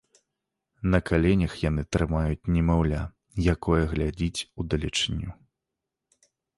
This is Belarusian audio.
На каленях яны трымаюць немаўля, якое глядзіць удалечыню.